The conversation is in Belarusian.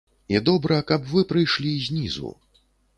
І добра, каб вы прыйшлі знізу.